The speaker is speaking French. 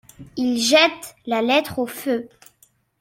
II jette la lettre au feu.